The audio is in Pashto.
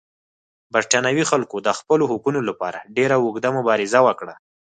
برېټانوي خلکو د خپلو حقونو لپاره ډېره اوږده مبارزه وکړه.